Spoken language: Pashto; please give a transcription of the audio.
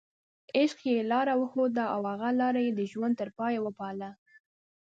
عشق یې لاره ورښوده او هغه لاره یې د ژوند تر پایه وپالله.